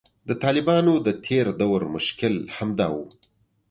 د طالبانو د تیر دور مشکل همدا و